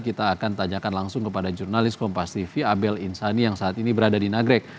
kita akan tanyakan langsung kepada jurnalis kompas tv abel insani yang saat ini berada di nagrek